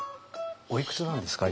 おいくつなんですか？